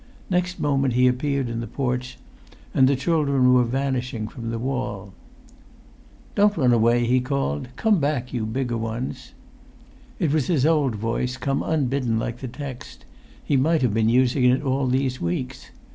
Next moment he appeared in the porch, and the children were vanishing from the wall. "Don't run away," he called. "Come back, you bigger ones!" It was his old voice, come unbidden like the text; he might have been using it all these weeks.